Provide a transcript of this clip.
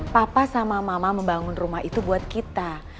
papa sama mama membangun rumah itu buat kita